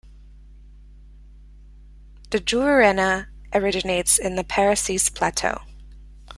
The Juruena originates in the Parecis plateau.